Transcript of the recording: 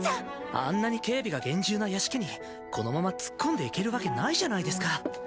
あんなに警備が厳重な屋敷にこのまま突っ込んでいけるわけないじゃないですか。